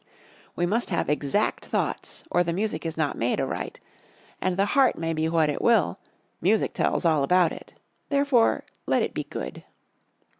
We must have exact thoughts or the music is not made aright, and the heart may be what it will, music tells all about it. Therefore, let it be good.